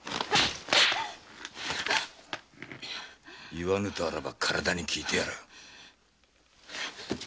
言わぬとあらば体にきいてやる。